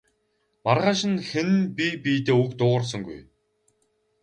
Маргааш нь хэн нь бие биедээ үг дуугарсангүй.